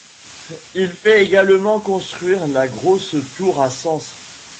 Il fait également construire la Grosse Tour à Sens.